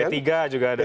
p tiga juga ada